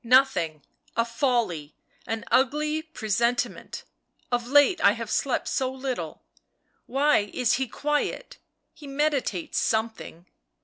" Nothing — a folly, an ugly presentiment, of late I have slept so little. Why is he quiet? He meditates something."